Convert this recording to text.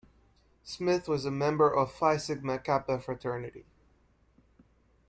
Smith was a member of Phi Sigma Kappa fraternity.